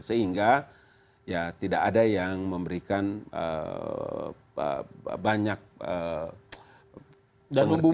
sehingga ya tidak ada yang memberikan banyak pengertian dan lain lain